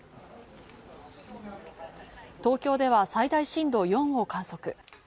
東京では最大震度４を観測。